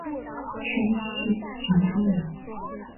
山西忻州人。